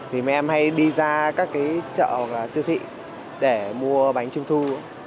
thì mẹ em hay đi ra các cái chợ hoặc là siêu thị để mua bánh trung thu